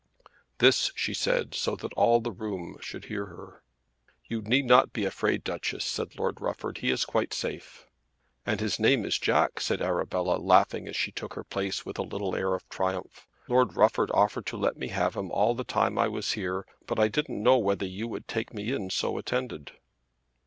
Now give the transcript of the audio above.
This she said so that all the room should hear her. "You need not be afraid, Duchess," said Lord Rufford. "He is quite safe." "And his name is Jack," said Arabella laughing as she took her place with a little air of triumph. "Lord Rufford offered to let me have him all the time I was here, but I didn't know whether you would take me in so attended."